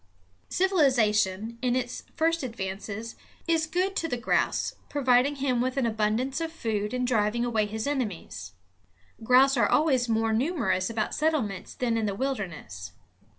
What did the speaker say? Civilization, in its first advances, is good to the grouse, providing him with an abundance of food and driving away his enemies. Grouse are always more numerous about settlements than in the wilderness.